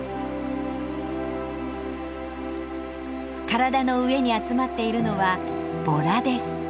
体の上に集まっているのはボラです。